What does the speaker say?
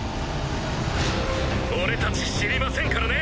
俺達知りませんからね。